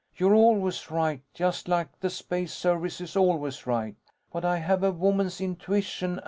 "You're always right, just like the Space Service is always right. But I have a woman's intuition.